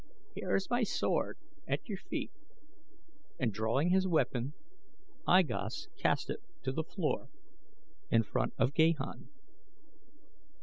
Here is my sword at your feet," and drawing his weapon I Gos cast it to the floor in front of Gahan.